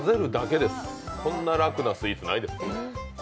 こんな楽なスイーツないです。